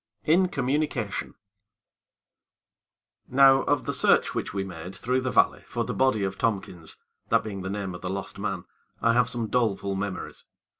XIV In Communication Now of the search which we made through the valley for the body of Tompkins, that being the name of the lost man, I have some doleful memories.